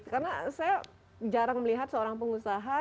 karena saya jarang melihat seorang pengusaha